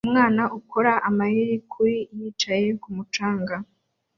Umwana ukora amayeri kuri yicaye kumu canga